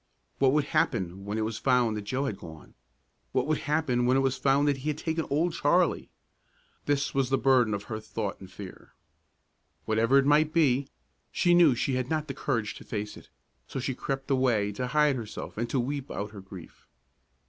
What would happen when it was found that Joe had gone? What would happen when it was found that he had taken Old Charlie? This was the burden of her thought and fear. Whatever it might be, she knew she had not the courage to face it, so she crept away to hide herself and to weep out her grief.